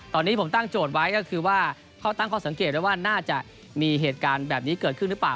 ตอนนี้ผมตั้งโจทย์ไว้ก็คือว่าเขาตั้งข้อสังเกตว่าน่าจะมีเหตุการณ์แบบนี้เกิดขึ้นหรือเปล่า